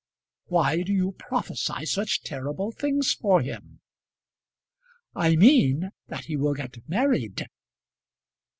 "Why do you prophesy such terrible things for him?" "I mean that he will get married."